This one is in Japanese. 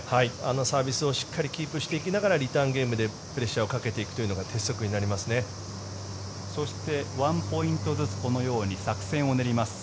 サービスをしっかりキープしていきながらリターンゲームでプレッシャーをかけていくのが鉄則になりますね。